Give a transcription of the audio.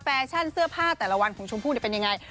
แฟชั่นเสื้อผ้าแต่ละวันของชมพู่เป็นยังไง